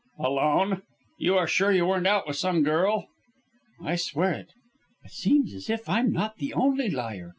"Alone! Are you sure you weren't out with some girl." "I swear it." "It seems as if I'm not the only liar!"